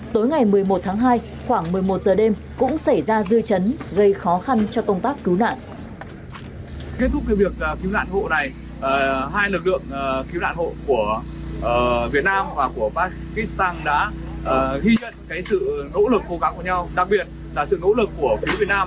tối ngày một mươi một tháng hai khoảng một mươi một giờ đêm cũng xảy ra dư chấn gây khó khăn cho công tác cứu nạn